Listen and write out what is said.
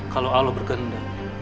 kalau allah berkendang